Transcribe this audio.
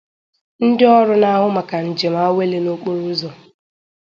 ndị ọrụ na-ahụ maka njem awele n'okporoụzọ